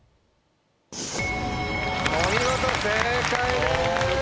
お見事正解です。